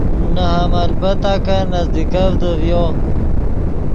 نے حمل پتاکن نزدیکڤدے ڤیو۔